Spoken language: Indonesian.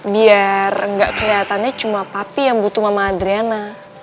biar gak keliatannya cuma papi yang butuh mama adriana